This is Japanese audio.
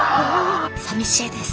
さみしいです。